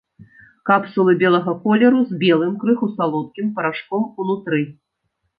Капсулы белага колеру з белым, крыху салодкім парашком унутры.